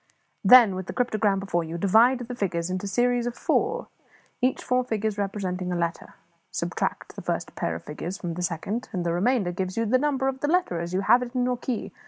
Then, with the cryptogram before you, you divide the figures into series of four, each four figures representing a letter. Subtract the first pair of figures from the second, and the remainder gives you the number of the letter as you have it in your key.